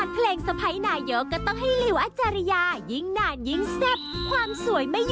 โปรดติดตามตอนต่อไป